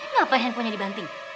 ngapain handphonenya dibanting